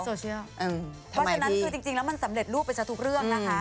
เพราะฉะนั้นคือจริงแล้วมันสำเร็จรูปไปซะทุกเรื่องนะคะ